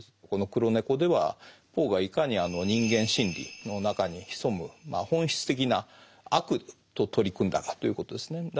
この「黒猫」ではポーがいかに人間心理の中に潜む本質的な悪と取り組んだかということですね。